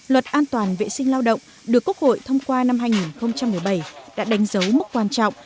luật an toàn vệ sinh lao động được quốc hội thông qua năm hai nghìn một mươi bảy đã đánh dấu mức quan trọng